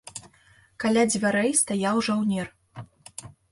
Каля дзвярэй стаяў жаўнер.